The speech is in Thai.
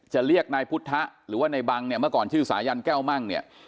เรียกนายพุทธะหรือว่านายบังเนี่ยเมื่อก่อนชื่อสายันแก้วมั่งเนี่ย